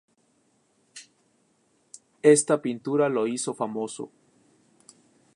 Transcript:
Esta pintura lo hizo famoso.